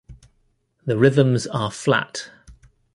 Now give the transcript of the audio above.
The rhythms are flat.